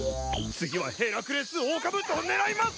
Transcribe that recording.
次はヘラクレスオオカブトを狙います！